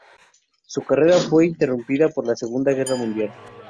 Su carrera fue interrumpida por la Segunda Guerra Mundial.